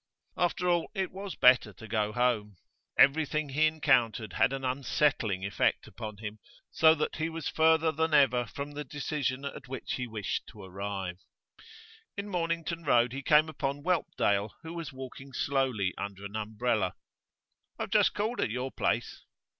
After all it was better to go home. Everything he encountered had an unsettling effect upon him, so that he was further than ever from the decision at which he wished to arrive. In Mornington Road he came upon Whelpdale, who was walking slowly under an umbrella. 'I've just called at your place.